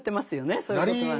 そういうことはね。